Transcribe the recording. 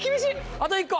あと１個。